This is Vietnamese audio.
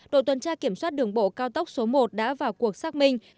đội tuần tra kiểm soát đường bộ cao tốc số một đã vào cuộc xác minh